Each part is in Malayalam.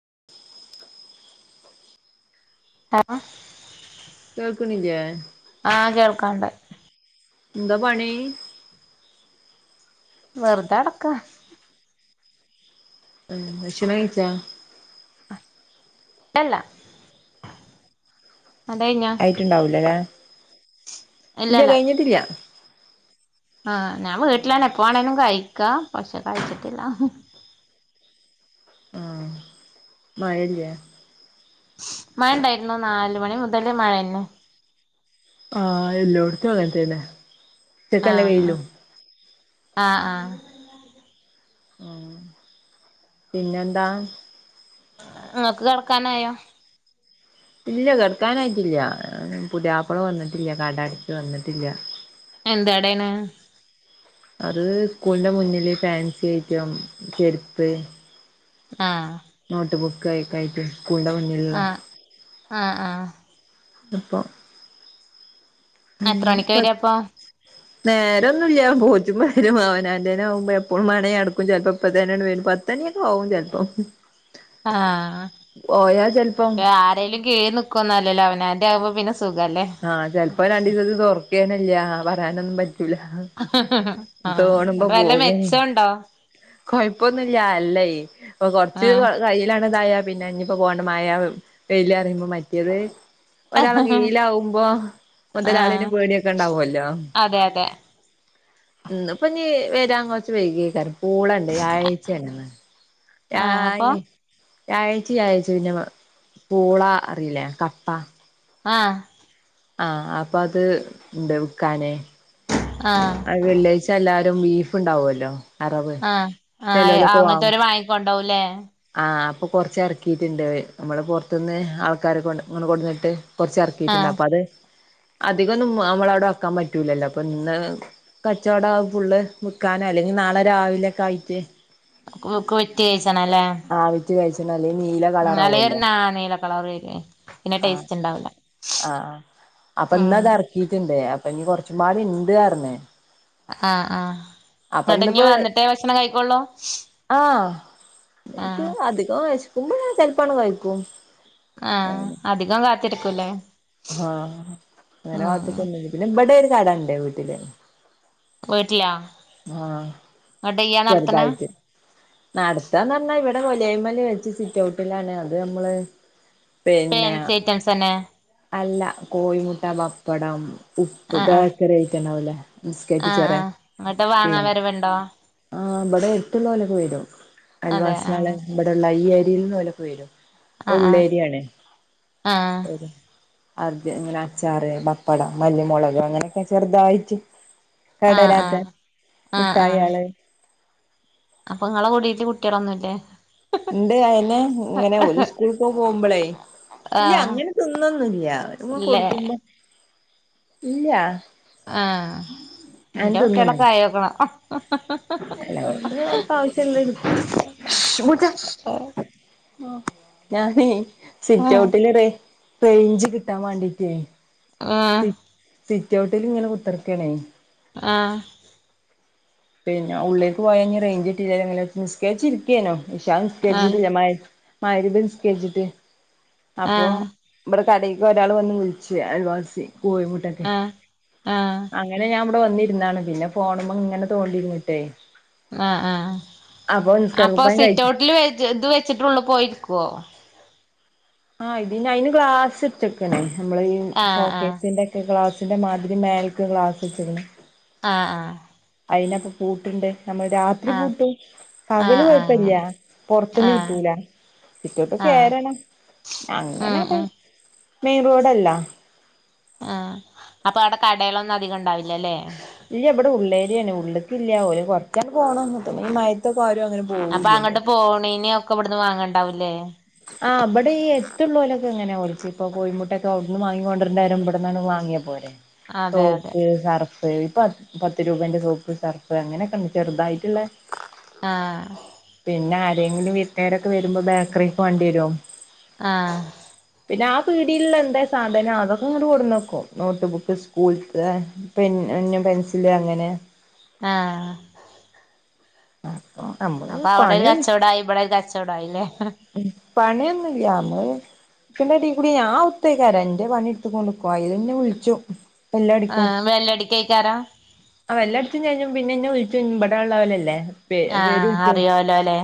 [inaudible] [unintelligible] കേൾക്ക്ണില്ലേ ആ കേൾക്കാണ്ട് എന്താ പണി വെറുതെ കെട്ക്കാ ഉം ഭക്ഷണം കഴിച്ചോ എല്ല ആയിട്ട് ഇണ്ടാവുലലെ ഇല്ല കഴിഞ്ഞിട്ടില്ല ആ ഞാൻ വീട്ട്ലാണ് എപ്പോ വേണേലും കഴി ക്കാ പക്ഷേ കഴിച്ചിട്ടില്ല ആ മഴ ഇല്ലെ മഴ ഇണ്ടായിരുന്നു നാല് മണി മുതല് മഴന്നെ ആ എല്ലോട്ത്തും അങ്ങൻ തെന്നെ റ്റക്ക് നല്ല വെയ്ലും ആ ആ ഉം പിന്നെന്താ ഇങ്ങക്ക് കെട്ക്കാനായോ ഇല്ല കെട്ക്കാനായിട്ടില്ല്യ പുതിയാപ്പള വന്നിട്ടില്ല്യ കട അടച്ച് വന്നിട്ടില്ല്യ എന്ത് കടയെണ് അത് സ്കൂളിന്റെ മുന്നില് ഫാൻസി ഐറ്റം ചെരുപ്പ് ആ നോട്ട് ബുക്ക് അയ്ക്കായിട്ട് ആ ആ ആ അപ്പോ ആ എത്ര മണിക്കാ വെരാ അപ്പോ നേരം ഒന്നും ഇല്ല പോച്ച്മ്പം വെരും അവനാന്റെന്നെ ആവുമ്പോ എപ്പളുംമാണേ അട്ക്കും ചെൽപ്പം ഇപ്പത്തന്നെ ഇങ്ങട്ട് വെരും പത്തെണിയൊക്കെ ആവും ചെൽപ്പം ആ ചെലപ്പം മറ്റേ ആരേലും കീഴി നിക്കൊന്നല്ലല്ലോ അവനാന്റെ ആവുമ്പം പിന്നെ സ് ആ ചെൽപ്പോ രണ്ടീസത്തിന് തൊറക്കെന്നെ ഇല്ല പറയാനെന്നും പറ്റി ആ ഇന്നിട്ട് വല്ല മെച്ചോംണ്ടോ കൊയപ്പൊന്നും ഇല്യ അല്ലേയ് അപ്പൊ കൊറച്ച് ആഹ് കയ്യിലാണ് ദായ പിന്നെ ഇഞ്ഞ്പ്പോ പോണ്ട മഴ വെയില് അറിയുമ്പോ മറ്റേത് ഒരാളെ കീഴിലാവും മ്പൊ മൊതലാളിനെ പേടിയൊക്കെ ഇണ്ടാവോല്ലോ തെ ഇന്ന്പ്പൊ ഇനി വരാൻ കുറച്ച് വൈകേക്കാരും പൂളണ്ട് വ്യാഴാഴ്ചേണ്ന്ന് ആഹ് അപ്പൊ രായി വ്യാഴാഴ്ച വ്യാഴാഴ്ച പിന്നെ പൂള അറിയില്ലേ കപ്പ ആ ആ അപ്പൊ അത് ഇണ്ട് വ്ക്കാനെ ആഹ് അഅ് വെള്ളിയാഴ്ച്ച എല്ലാ ടുംബീഫ് ഇണ്ടാവൊല്ലോ ആ ആ അങ്ങനത്തോര് വാങ്ങിക്കൊണ്ടാവൂല്ലേ ആഹ് അപ്പൊ കുറച്ച് എറക്കിട്ടുണ്ട് നമ്മള് പൊറത്ത്ന്ന് ആൾക്കാരെ കൊണ്ട് ഇങ്ങട് കൊടുന്നിട്ട് കൊറച്ച് എറക്കീട്ട്ണ്ട് ആഹ് അപ്പൊ അത് അധികം ഒന്നും നമ്മളവിടെ വെക്കാൻ പറ്റൂലല്ലോ അപ്പൊ ഇന്ന് കച്ചവടാവും ഫുള്ള് വിക്കാനോ അല്ലെങ്കി നാളെ രാവിലെ ഒക്കെ ആയിട്ട് ഓക്ക് പറ്റ്യേ കേസാണല്ലേ ആവിച്ച് കഴിച്ചണം അല്ലെങ്കിൽ നീല ഉം അല്ലേ ഒര ആ നീലം കളറ് വരേ ആ ആ അപ്പൊ ഇന്ന് ഉം അത് അറക്കീട്ട്ണ്ട് ഇപ്പഞ്ഞ് കൊറച്ചും പാടി ഇണ്ട് അർ ഞ്ഞ് ആആ മടങ്ങി വന്നിട്ടേ ഭക്ഷണം കഴിക്കൊള്ളോ ഇൻക്ക് അധികം വെശ് ക്കുമ്പൊ ഞാൻ ചെലപ്പണ്ട് കയ്ക്കും ആ അധികം കാത്തിരിക്കൂല്ലേ ആ അങ്ങനെ ഉം കാത്ത്ക്കൊന്നുല്ല്യ പിന്നെ ഇം ഇവിടെ ഒരു കടണ്ട് വീട്ടില് വീട്ടിലാ ആ എന്നിട്ട് ഇയ്യാ നടത്തണെ ചെറ്തായിട്ട് നടത്താന്ന് പറഞ്ഞ ഇവ ഇടെ കൊലായ്‌മ്മല് വെച്ച് സിറ്റ് ഔട്ടിലാണ് അത് നമ്മള് പിന്നെ പേൻസി ഐറ്റംസന്നെ അല്ല കോഴിമുട്ട പപ്പടം ഉപ്പ് ആഹ് ആഹ് ബേക്കറി ഐറ്റം ഉണ്ടാവല്ലേ മസ്ട്ട ആഹ് ചേറ ആഹ് എന്നിട്ട് വാങ്ങാൻ വരവുണ്ടോ ആ ഇവിടെ എത്തുള്ള പോലെയൊക്കെ വരും അതെ അയൽവാസിന ആള ആഹ് ഇവിടെുള്ള ഈ ഏരിയയിൽ നിന്ന്ല ഫര ആഹ് ആഹ് ഉള്ളേരിയണേ ആഹ് അദ്യം ഇങ്ങനെ അച്ചാറ് പപ്പടം മല്ലിമുളക് അങ്ങനെയൊക്കെ ചെറുതായിട്ട് ആഹ് കടേനാത്ത് ആഹ് ആഹ് ആഹ് മുട്ടായള് അപ്പൊ നിങ്ങളെ കുടീട്ട് കുട്ടികളൊന്നുല്ലേ ഉണ്ട് അയിനെ ഇങ്ങനെ ഒരു സ്കൂളിക്ക് പോകുമ്പോളെ ഇല്ല ആഹ് അങ്ങനെ തിന്നൊന്നുംല്ല ഇല്ലേ കൊടുക്കുമ്പോ ഇല്ല അങ്ങനെ ആഎന്റെ കുട്ടികളൊക്കെ ആയേക്കണ് പ അവർക്ക് ആവശ്യള്ളത് ഞാനെ സിറ്റ് ആഹ് ഔട്ടിൽ ഇറെ റെയ്ഞ്ച് കിട്ടാ വേണ്ടിട്ടേ ആഹ് സിറ്റ ഔട്ടിലിങനെ കുത്തറക്കണെ ആഹ് പിന്നെ ഉള്ളിൽക്ക് പോയാ ഇഞി റേയ്ഞ്ചിട്ടീലങ്ങിലൊന്ന് നിസ്കർച്ചിരിക്കെർന്നു ഇഷാങ് ആഹ് നിസ്കരിച്ചിട്ടില്ല മങ് രി മങ് രിബ്നിസ്കരിച്ചിട്ട് അപ്പൊ ആഹ് ഇബടെ കടയ്ക്കൊരാൾ വന്ന് വിളിച്ച് അയൽവാസി കോയി മുട്ടക്കെ ആഹ് ആഹ് അങ്ങനെ ഞാൻ ഇവ്ടെ വന്നി ന്നാണ് പിന്നെ ഫോണുമ്മെങ്ങനെ തോണ്ടിരുന്നിട്ടേ ആഹ്, ആഹ് നിസ്കാര അപ്പൊ കുപ്പായം കഴി സിറ്റ് ഔട്ടിൽ വെച് ഇത് വെച്ചിട് ഉള്ളി പോയിരിക്കോ ആഹ്, ഇതിന് അയിന് ഗ്ലാസ് ഇട്ട്ക്ക്ണ് നമ്മളേ ഈ ആഹ് ആഹ് സോക്കേസിന്റെക്കെ ക്ലാസ് ന്റെ മാതിരി മേൽക്ക് ക്ലാസ് വെച്ചതിന് ആഹ് ആഹ് അയിനപ്പൊ പൂട്ട്ണ്ട് നമ്മൾ രാത്രി ആഹ് ആഹ് പൂട്ടും പകല് ആഹ് ആഹ് കൊഴപല്യാ. അങ്ങനെ പൊറത്ത്ന്ന് ആഹ് കിട്ടൂല സിറ്റൗട്ടി ആഹ് കേറണം. ഉം അങ്ങനെ പെ ഉം മെയിൻ റോഡല്ല ആഹ് അപ്പൊ അവ്ടെ കടേളൊന്നും അധികം ഇണ്ടാവില്ലല്ലേ ഇല്ല ഇവിടെ ഉള്ളേരിയാണ് ഉള്ള്ക്കില്ല ഒര് കൊറച്ച് അങ് ട് പോണം ഈ മഴേത് കൊ അപ്പ അങ്ങ്ട്ട് പോവ്ണീന് ഒക്കെ ഇവിട് ന്ന് വാങ്ങണ്ടാവുലേ ആഹ് ഇബടെ ഈ ഏട്തുള്ളോലക്കെ ഇങ്ങനെ ഓൽകിപ്പൊ കോഴിമുട്ടൊക്കെ അവിടുന്ന് വാങ്ങീക്കൊണ്ടരണ്ടേരും ഇവിടന്നണ് വാങ്ങിയ പോരെ അതെ അതെ തോക്ക് കർ [unintelligible] പത് പത്ത് രൂപന്റെ സോപ്പ് സർഫ് അങ്ങനെക്കെണ് ചെറുതായിട്ടിള്ളെ ആ പിന്നെ ആരെങ്കിലും വീട്ട്കാരൊക്കെ വരുമ്പോ ബേക്കറി പോകേണ്ടി വരും ആ പിന്നെ ആ പീടില്ള്ള എന്താ സാധനം അതൊക്കെ ഇങ്ങ്ട് കൊടുന്നക്കും. നോട്ട് ബുക്ക്, സ്കൂൾതെ പെന്ന്, പെൻസില് അങ്ങനെ ആ നമ്മള് അപ്പൊ അവ്ടൊരു കച്ചോടായി ഇബടൊരു കച്ചോടായിലേ [unintelligible] പണിയൊന്നുംല്ലാ. നമ്മളീ ഇതിന്റെടീ കുടി ഞാ ഔത്തേകാരം ഇന്റെ പണി ഇടുത്തു കൊണ്ട്ക്കും അയില്ന്നെ വിളിച്ചും ബെല്ലടിക്കും ആഹ് ബെല്ലടിക്കെക്കാരം പിന്നെന്നെ വിളിച്ചു ഇമ് മ്പട എള്ളവലല്ലേ പേ പേര് ആഹ് വിളിച്ചോ അറിയോലോല്ലേ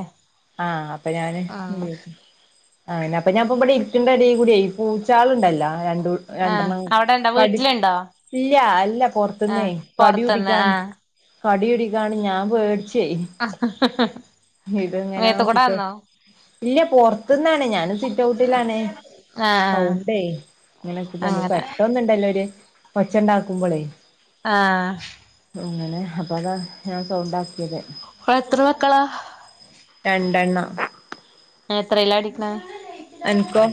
ആഹ് അപ്പൊ ഞാന് ഉം ആഹ് [unintelligible] ഇവിടെ ഇരികണ്ട എടി കൂടി പൂച്ചാളുണ്ടല്ല രണ്ട് ആഹ് രണ്ടെണം അവിടെണ്ടോ കടി വീട്ടിലുണ്ടോ ഇല്ല അല്ല പൊറത്തന്നെ ആഹ് കടി പൊറത്ത്ന്ന് കുടിക്കാൻ ആഹ് കടി കുടിക്കാണ് ഞാൻ പേടിച്ച് ഇതെങ്ങനെ മേത്തുകൂടെ സിറ്റൗ വന്നോ ഇല്ല പുറത്തുന്നാണ് ഞാന് സിറ്റ് ഔട്ടിലാണ് ആഹ് സൗണ്ടേ ഇങ്ങനൊക്ക അങ്ങനെ പെട്ടന്നിണ്ടല്ലോ [unintelligible] ഒച്ച എണ്ടാക്കുമ്പോളേ ആ അങ്ങനെ അപ്പ അത് ഞാൻ സൗണ്ടാക് എത്ര മക്കളാ രണ്ടെണ്ണം എത്രേല്ല ടിക്കണേ അനക്കോ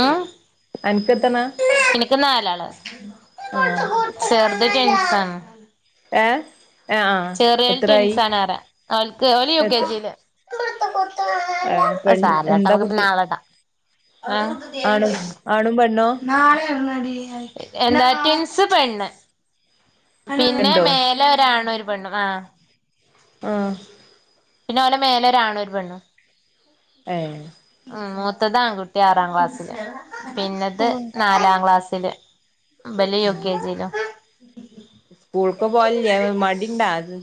ആ അനക്ക് എത്രണ്ണാ എനിക്ക് നാലാള് ആഹ് ചെറുത് ട്വിൻസാണ് ഏ ചെറിയോല് ട്വിൻസാണറ അവൽക്ക് ഓല് യു കെ എത്ത് ജിയില് ഏഹ് അത് പെൺ സാരല്ലട്ടോ എന്താ നമുക്ക് പിന്നെ കുട്ടി നാളെടാം ആണും ആണും പെണ്ണോ നാളെ എവിടുന്നാടി എന്താ ട്വിൻസ് പെണ്ണ് പിന്നെ രണ്ടോ മേലെ ഒരാണും ഒരു പെണ്ണും ആഹ് ആഹ് പിന്നെ ഓലെ മേലെ ഒരാണും പെണ്ണും ഏഹ്? ഉം മൂത്തതാ ആൺ കുട്ടി ആറാം ക്ലാസില് പിന്നത് നാലാം ക്ലാസ്സില് ഇബല് യൂ കെ ജിലും സ്കൂൾക്ക് പോവലില്ലേ അതോ മടിണ്ടാ അത്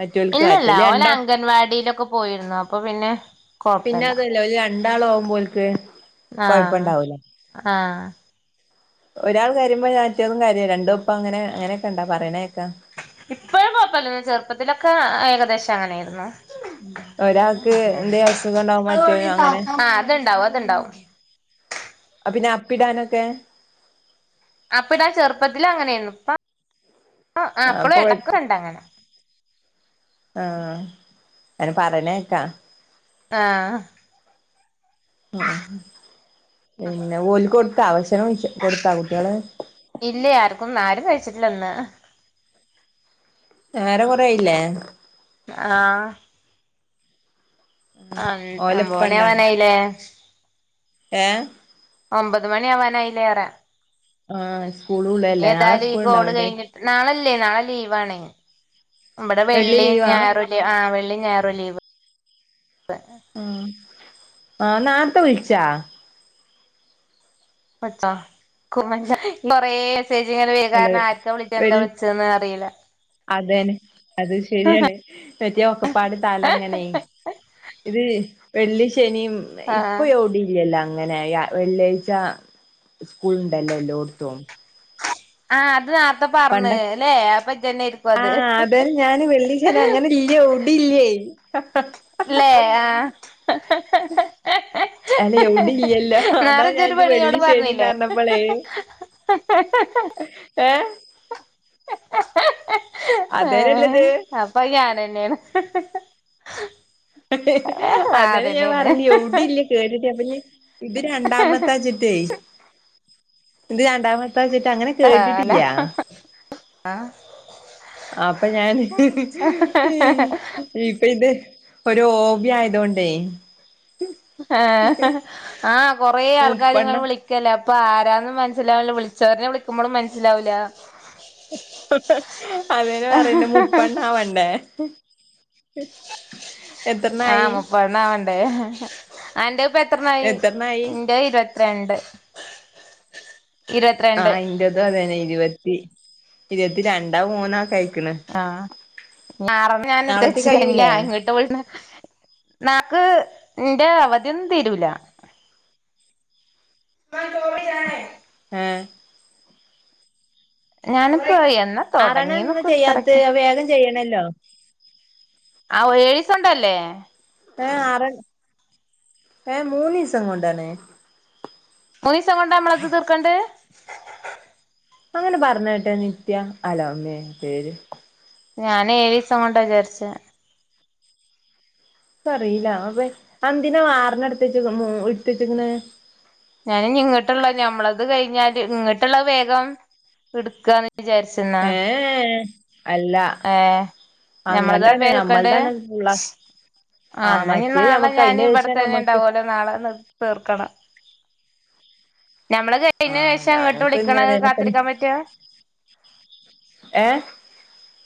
മറ്റോല്ക്ക് ഇല്ലല്ല മറ്റോല് ഓല് രണ്ടാ [inaudible] അംഗൻവാടിയിലൊക്കെ പോയിരുന്നു അപ്പൊ പിന്നെ പിന്നെ കൊഴപ്പല്ല അതല്ലേ ഓല് ര രണ്ടാളാവുമ്പോ ഓൽക്ക് ആഹ് കൊഴപ്പണ്ടാവൂല ആഹ്. ഒരാൾ കരുയുമ്പോ മറ്റാളും കരയും രണ്ടൊപ്പം അങ്ങനെ അങ്ങനൊക്കെണ്ട പറയണേ ഇപ്പഴും കുഴപ്പല്ലേ ചെറുപ്പത്തിലൊക്കെ അയ കദേശം അങ്ങനൊരുന്നു. ഒരാൾക്ക് എന്തേ അസുഖണ്ടാവും മറ്റോന് അങ്ങനെ ആഹ് അതുണ്ടാവും അതുണ്ടാവും. അ പിന്നെ അപ്പിടാനൊക്കെ? അപ്പിടാൻ ചെറുപ്പത്തില് അങ്ങനെയ്ന്നു ഇപ്പ അ ആഹ് അപ്പളും അപ്പൊ ഇടക്കുണ്ടങ്ങനെ. ആഹ് അൻ പറ നേക്കാ. ആഹ്. അ ആഹ് പിന്നെ ഓല് കൊടുത്താ അവശന കൊടുത്ത കുട്ട്യാള് വച്ചിട്ടില്ലന്ന്. നേരം കൊറായില്ലേ? ആഹ് ഓലപ്പണ്ടാ ആമ്പോണയാവാനായില്ലേ ഏ ഒമ്പത് മണി ആവാനായിലേറ ആഹ് സ്കൂളൂള്ളല്ലേ ഇനി നാളെ ഏതായാലും ഈ സ്കൂൾ ഗോള് ഉണ്ടാവണ്ടേ കഴിഞ്ഞി നാളെല്ലേ നാളെ ലീവാണെ ഇമ്പടെ വെള്ളി ഞായറൂലേ ആഹ് വെ വെള്ളി ഞായറും ലീവ് ആഹ് ആഹ നാറത്തെ വിളിച്ചൊ പത്തോ [unintelligible] കുറേ അല്ല [unintelligible] ആർക്കാ വിളിട്ട് എന്താ വെള്ളി വിളിച്ചന്ന് അറിയില്ല ഹ് ഹ് എറ്റയാ ഒക്കെ പാട് തലങ്ങനെ ഇത് വെള്ളി ശ ശനിമ് ഇപ്പ ആഹ് എവിടില്ലല്ലോ അങ്ങനെ ആയി വെള്ളിയാഴ്ച സ്കൂൾ ഉണ്ടല്ലോഎല്ലോടത്തും ആഹ അത് പറഞ്ഞ് പണ്ടക്കേ ല്ലേ അപ്പൊ ഇജന്നേര്ക്കും അത് ആഹ അതം ഞാന് വെള്ളി ശനി അങ്ങനെല്ലിയ എവിടില്ല്യ ല്ലേ ആ അല്ല എവിടെ ഇല്ലല്ലോ അതാ ഞാൻ നാറജോരു ഇജ്ജ് വെള്ളി പെണ്ണിനോട് ശനിന്ന് പറഞ്ഞില്ലേ [inaudible] പറഞ്ഞപ്പളേ ഏ [inaudible] ഹ് അതേനല്ലത് അപ്പൊ ഞാാനന്നെയാണ് [inaudible] ആഹ് അതന്നേ ഞാൻ അതന്നേണ് പറണ്ടിയെ എവിടീല്ല കേട്ടിട്ട് അപ്പഞ്ഞി ഇത് രണ്ടാമത്താച്ചിട്ടേ [unintelligible] [unintelligible] അങ്ങനെ ആഹ് അല്ല കേട്ടിട്ടില്ല്യാ [unintelligible] അപ്പ ഞാൻ ആഹ് ഇപ്പൊ ഇത് ഒരു ഹോബിയാ ആ ആ കൊറേ ആൾക്കാര്ങ്ങനെ മുപ്പെണ്ണം വിളിക്കല്ലേ അപ്പൊ ആരാന്നും മനസ്സിലാവില്ല വിളിച്ചോരന്നേ വിളിക്കു മ്പളും മനസ്സിലാവില്ല അതെന്നേ പറയണേ മുപ്പെണ്ണാവണ്ടേ ആ എത്രണ്ണായി മുപ്പണ്ണാവണ്ടേ അന്റെ ഇപ്പ എത്രണ്ണായി എത്രണ്ണായി ഇന്റെ ഇരുപത്തിരണ്ട് ആ ഇരുപത്തിരണ്ട് ഇൻ്റെതും അതന്നെ ഇരുവ ത്തി ഇരുവത്തി രണ്ടാ മൂന്നാക്ക [unintelligible] നാളത്തെ കഴൂലേ ഇൻ്റെ അവധിയൊന്നും തീരൂല [unintelligible] ആ [unintelligible] തൊടങ്ങീന്ന് അറണന്നും ചെയ്യാത്ത് കറക്റ്റ് അത് വേഗം ചെയ്യണല്ലോ തോണ്ടല്ലേ ഏ ആർ ഏ മൂന്നീസം കൊണ്ടാണ് മൂന്നീസം കൊണ്ടാ അമ്മളത് തീർക്കണ്ട് [inaudible] അങ്ങനെ പറഞ്ഞ കേട്ടെ നിത്യ അലോ അമ്മേ പേര് ഞാന് ഏഴീസം കൊണ്ടാ വിചാരിച്ച് ഇക്കറീല ആവേ അന്തിനാ [unintelligible] ഞാനിഞ്ഞി ഇങ്ങട്ട്ള്ള ഞമ്മളത് കഴിഞ്ഞാല് ഇങ്ങട്ട്ള്ള വേഗം ഇട്ക്കാ എ ഏ ഏ അങ്ങട്ടാണ് ഞമ്മളതാവേം തീർക്കണ്ട് നമ്മളതാണ് ഫുള്ള ആ ഇ ആഹ് മറ്റേ ന്നഞ്ഞിന്നാളെ നമ്മുക്ക് ഞാന് അതിന്റെ ശേഷം ഇവിടത്തന്നെ നമ്മക്ക് ഇണ്ടാവോലോ നാളെ തീർക്കണം നമ്മള് കഴിഞ്ഞ ആഹ് ശേഷം ങ്ങട്ട് ഞാനൊക്കെ വിളിക്ക്ണത് അതന്നെ കാത്തിരിക്കാൻപറ്റാ ഏ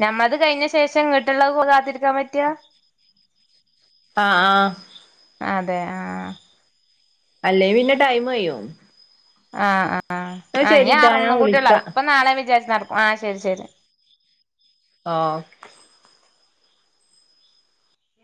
ഞമ്മള്ത് കഴിഞ്ഞ ശേഷം ഇങ്ങട്ട്ള്ളത് കോൾ കാത്തി ക്കാ പറ്റാ ആ ആ അതെ അ അ അല്ലങ്കി പിന്നെ ടൈം കയ്യും ആ അ ആ ആ നി ഞാൻ ആറെണ്ണം കൂടിയേള്ളൂ വിളിക്കാം ഇപ്പം നാളെ വിചാ [unintelligible] ആ ശരി ശരി. ഓ